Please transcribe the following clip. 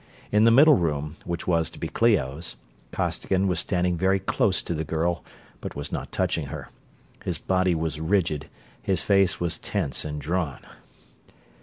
In the middle room, which was to be Clio's, Costigan was standing very close to the girl, but was not touching her. His body was rigid, his face was tense and drawn.